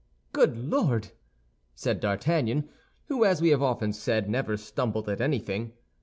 "Good Lord!" said D'Artagnan, who, as we have often said, never stumbled at anything.